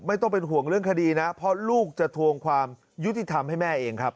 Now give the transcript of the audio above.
ไม่ต้องเป็นห่วงเรื่องคดีนะเพราะลูกจะทวงความยุติธรรมให้แม่เองครับ